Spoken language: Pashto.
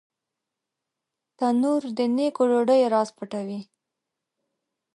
تنور د نیکو ډوډیو راز پټوي